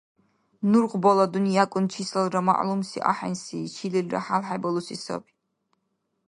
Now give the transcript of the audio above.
Нургъбала дунъякӀун чисалра мягӀлумли ахӀенси, чилилра хӀял хӀебалуси саби.